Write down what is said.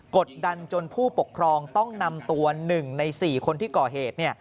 กดดันจนผู้ปกครองต้องนำตัว๑ใน๔คนที่ก่อเหตุ